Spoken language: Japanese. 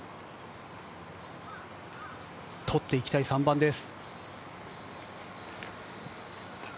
取っていきたい３番です。